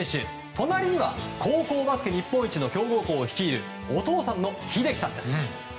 隣には、高校バスケ日本一の強豪校を率いるお父さんの英樹さんです。